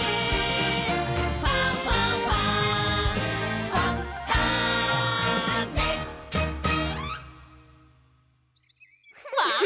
「ファンファンファン」わお！